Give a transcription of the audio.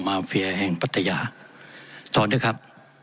มาเฟียแห่งปัตยาถอนด้วยครับ